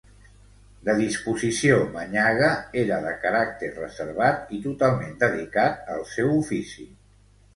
De disposició manyaga, era de caràcter reservat i totalment dedicat al seu ofici.